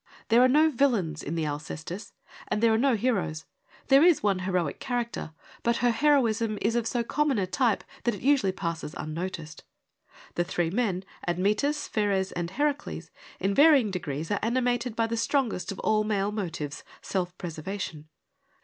There are no villains in the Alcestis, and there are no heroes. There is one heroic character, but her heroism is of so common a type that it usually passes unnoticed. The three men, Admetus, Pheres and Heracles, in varying degrees are animated by the strongest of all male motives, self preservation.